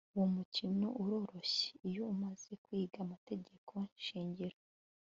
Uwo mukino uroroshye iyo umaze kwiga amategeko shingiro